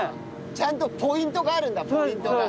ちゃんとポイントがあるんだポイントが。